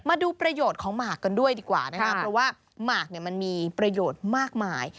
มาดูประโยชน์ของหมากกันด้วยดีกว่านะครับเพราะว่าหมากเนี่ยมันมีประโยชน์มากมาย